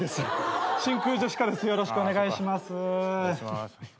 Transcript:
よろしくお願いします。